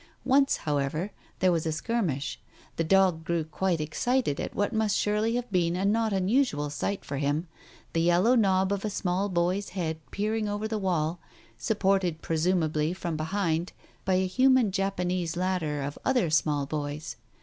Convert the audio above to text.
Once, however, there was a skirmish ; the dog grew quite excited at what must surely have been a not unusual sight for him, the yellow knob of a small boy's head peer ing over the wall, supported presumably from behind by a human Japanese ladder of other small boys.